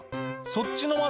そっちの窓